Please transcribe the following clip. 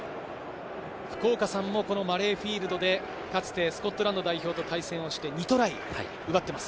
福岡さんもマレーフィールドでかつてスコットランド代表と対戦して２トライ奪っています。